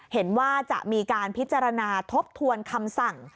เห็นว่าจะมีการพิจารณาทบทวนคำสั่ง